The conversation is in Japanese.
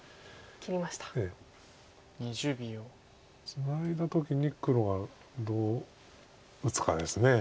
ツナいだ時に黒がどう打つかです。